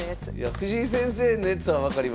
藤井先生のやつは分かります。